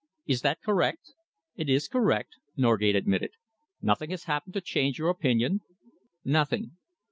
Is that correct?" "It is correct," Norgate admitted. "Nothing has happened to change your opinion?" "Nothing."